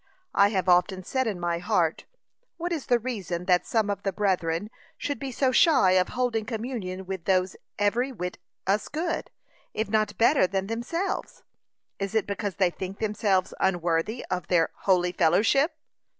I have often said in my heart, What is the reason that some of the brethren should be so shy of holding communion with those every whit us good, if not better than themselves? Is it because they think themselves unworthy of their holy fellowship?